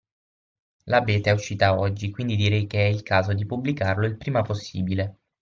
La beta è uscita oggi quindi direi che è il caso di pubblicarlo il prima possibile.